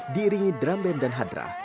diiringi drum band dan hadrah